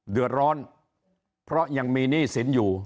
เดือดร้อนเพราะยังมีหนี้สินอยู่